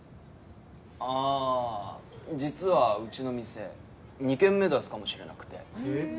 あぁ実はうちの店２軒目出すかもしれなくてえっ？